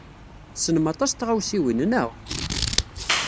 Tessnem aṭas n tɣawsiwin, naɣ?